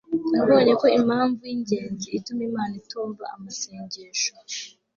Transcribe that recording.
nabonye ko impamvu y'ingenzi ituma imana itumva amasengesho